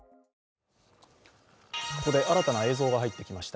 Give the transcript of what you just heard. ここで新たな映像が入ってきました。